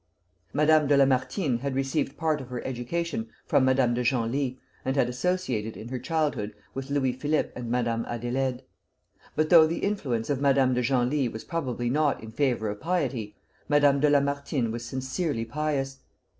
Madame de Lamartine had received part of her education from Madame de Genlis, and had associated in her childhood with Louis Philippe and Madame Adélaïde. But though the influence of Madame de Genlis was probably not in favor of piety, Madame de Lamartine was sincerely pious.